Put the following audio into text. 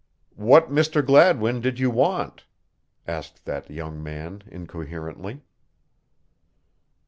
"What Mr. Gladwin did you want?" asked that young man incoherently.